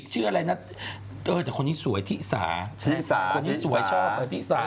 ชื่ออะไรนะเออแต่คนนี้สวยที่สาธิสาคนนี้สวยชอบอธิสา